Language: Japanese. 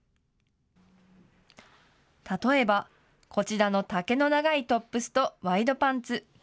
例えばこちらの丈の長いトップスとワイドパンツ。